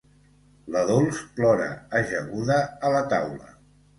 La Dols plora, ajaguda a la taula.